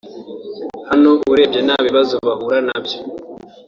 Hano urebye nta bibazo bahura na byo